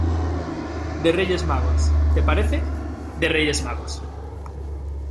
de Reyes Magos, ¿ te parece? de Reyes Magos.